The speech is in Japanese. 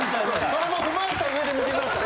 それも踏まえた上で見てください。